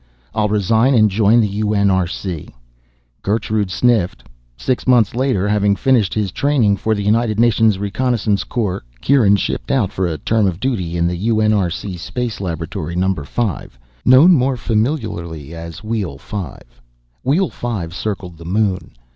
I'll resign and join the UNRC." Gertrude sniffed. Six months later, having finished his training for the United Nations Reconnaissance Corps, Kieran shipped out for a term of duty in UNRC Space Laboratory Number 5, known more familiarly as Wheel Five. Wheel Five circled the Moon.